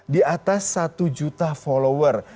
di atas satu juta follower